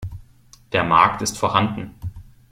Der Markt ist vorhanden.